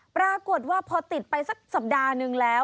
ปรากฏว่าพอติดไปสักสัปดาห์หนึ่งแล้ว